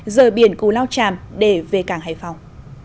rời biển cù lao tràm để về cảng hải phòng